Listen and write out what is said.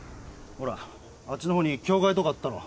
ほらあっちのほうに教会とかあったろ？